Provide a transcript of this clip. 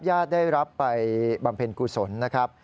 ญาติได้รับไปบำเพ็ญกุศลนะครับ